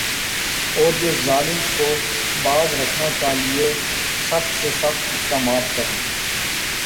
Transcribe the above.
اور یِہ ظالم کو باز رکھنا کا لئے سخت سے سخت اقدامات کرنا